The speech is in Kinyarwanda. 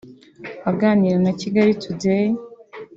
Aganira na Kigali Today